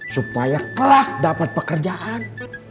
supaya kelak dapat pekerjaan